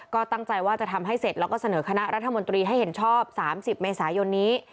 ก็ตั้งใจว่าจะทำให้เสร็จแล้วก็เสนอคณะรัฐมนตรีให้เห็นชอบ๓๐เมษายนนี้